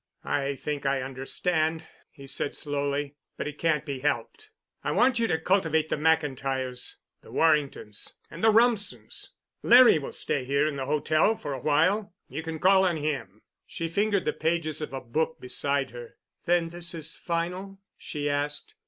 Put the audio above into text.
"I think I understand," he said slowly. "But it can't be helped. I want you to cultivate the McIntyres, the Warringtons, and the Rumsens. Larry will stay here in the hotel for a while. You can call on him." She fingered the pages of a book beside her. "Then this is final?" she asked.